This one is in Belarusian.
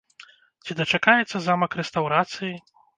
Ці дачакаецца замак рэстаўрацыі?